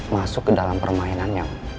masuk ke dalam permainan yang